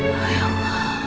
oh ya allah